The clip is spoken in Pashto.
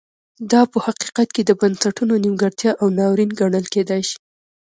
دا په حقیقت کې د بنسټونو نیمګړتیا او ناورین ګڼل کېدای شي.